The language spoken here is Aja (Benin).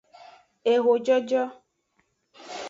Ehojojo.